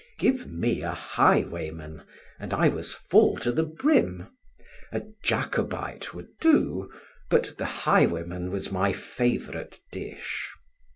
Give me a highwayman and I was full to the brim; a Jacobite would do, but the highwayman was my favourite dish.